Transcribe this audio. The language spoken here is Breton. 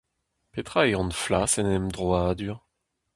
Petra eo hon flas en emdroadur ?